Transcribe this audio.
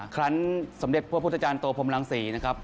ครั้งสมเด็จพระพุทธจารย์โตพรมรังศรีนะครับ